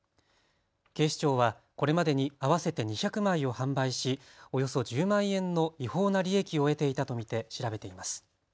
警視庁はこれまでに合わせて２００枚を販売しおよそ１０万円の違法な利益を得ていたと見て調べています。